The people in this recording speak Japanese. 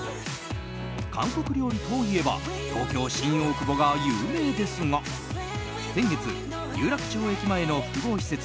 韓国料理といえば東京・新大久保が有名ですが先月、有楽町駅前の複合施設